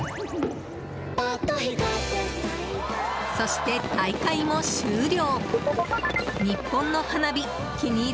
そして大会も終了。